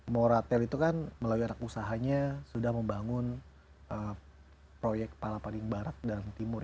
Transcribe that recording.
moratel itu kan melalui anak usahanya sudah membangun proyek pala paling barat dan timur